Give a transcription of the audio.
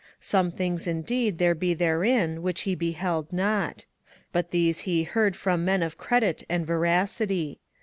Some things indeed there be therein which he beheld not ; but these he heard from men of credit and veracity.